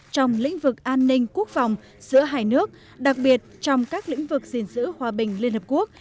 trong lĩnh vực an ninh quốc phòng giữa hai nước đặc biệt trong các lĩnh vực gìn giữ hòa bình liên hợp quốc